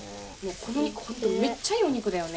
このお肉ホントメッチャいいお肉だよね